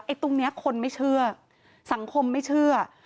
ตรงนี้คนไม่เชื่อสังคมไม่เชื่อ